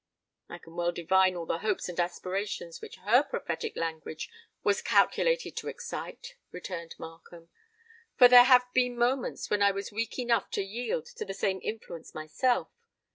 "I can well divine all the hopes and aspirations which her prophetic language was calculated to excite," returned Markham; "for there have been moments when I was weak enough to yield to the same influence myself.